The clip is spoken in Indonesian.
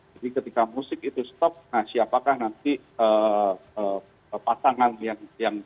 jadi ketika musik itu stop siapakah nanti pasangan yang